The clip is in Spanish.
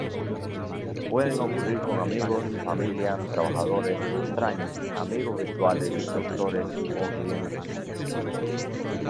Pueden ocurrir con amigos, familias, trabajadores, extraños, amigos virtuales, doctores o clientes.